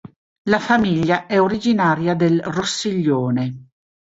La famiglia è originaria del Rossiglione.